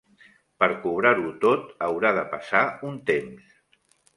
Per cobrar-ho tot, haurà de passar un temps.